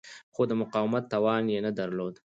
خو د مقاومت توان یې نه درلود.